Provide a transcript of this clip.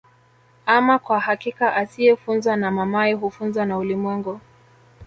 Aama kwa hakika asiyefunzwa na mamaye hufuzwa na ulimwengu